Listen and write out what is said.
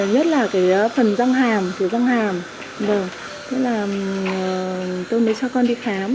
nhất là phần răng hàm tôi mới cho con đi khám